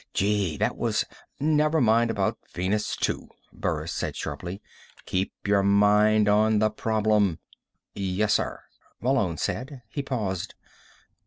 Gee, that was " "Never mind about Venus, too," Burris said sharply. "Keep your mind on the problem." "Yes, sir," Malone said. He paused.